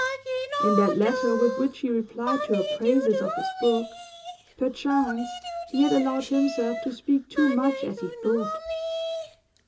In that letter with which he replied to her praises of his book, perchance he had allowed himself to speak too much as he thought.